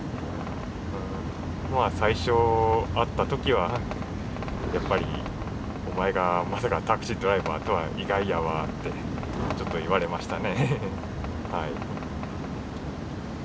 まあ最初会った時はやっぱり「お前がまさかタクシードライバーとは意外やわ」ってちょっと言われましたねはい。